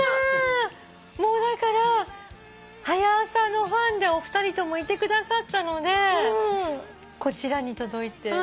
だから『はや朝』のファンでお二人ともいてくださったのでこちらに届いて。